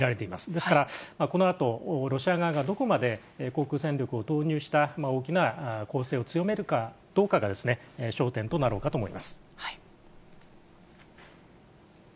ですから、このあとロシア側がどこまで航空戦力を投入した、大きな攻勢を強めるかどうかが、焦点となろうかと思います。